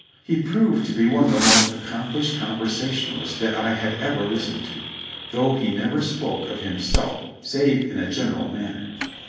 He proved to be one of the most accomplished conversation alists that I had ever listened to, though he never spoke of him self save in a general manner.